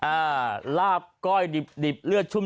ลาบก้อยดิบเลือดชุ่ม